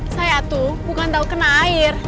saya tuh bukan tahu kena air